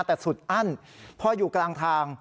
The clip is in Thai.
แต่สุดอั้นพออยู่กลางทาง